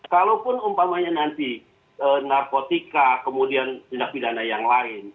kalaupun umpamanya nanti narkotika kemudian tindak pidana yang lain